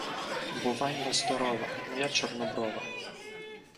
Бувай ми здорова, моя чорноброва!